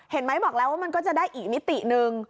เห็นไหมบอกแล้วว่ามันก็จะได้อีกมิติหนึ่ง